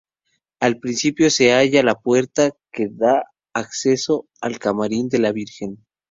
Al principio se halla la puerta que da acceso al camarín de la Virgen.